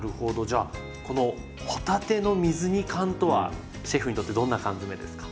じゃあこの帆立ての水煮缶とはシェフにとってどんな缶詰ですか？